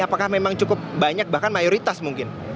apakah memang cukup banyak bahkan mayoritas mungkin